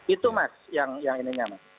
itu mas yang ininya